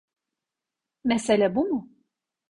Mesele bu mu?